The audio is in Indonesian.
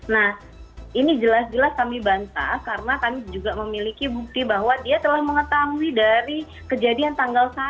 nah ini jelas jelas kami bantah karena kami juga memiliki bukti bahwa dia telah mengetahui dari kejadian tanggal satu